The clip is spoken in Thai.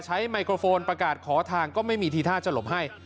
ไมโครโฟนประกาศขอทางก็ไม่มีทีท่าจะหลบให้